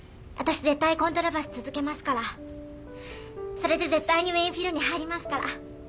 それで絶対にウィーンフィルに入りますから。